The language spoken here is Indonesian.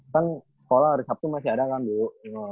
kan pola hari sabtu masih ada kan dulu